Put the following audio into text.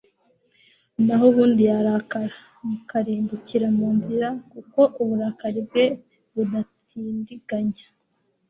naho ubundi yarakara, mukarimbukira mu nzira, kuko uburakari bwe budatindiganya